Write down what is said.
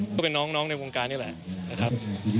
ก็เป็นน้องในวงการนี่แหละนะครับ